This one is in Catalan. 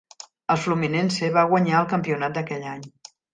El Fluminense va guanyar el campionat d'aquell any.